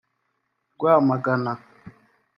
Rwamagana